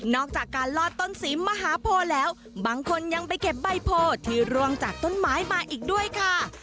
อกจากการลอดต้นสีมหาโพแล้วบางคนยังไปเก็บใบโพที่ร่วงจากต้นไม้มาอีกด้วยค่ะ